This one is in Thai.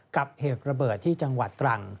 กับเหตุระเบิดที่จังหวัดตรัง